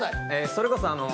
それこそあの。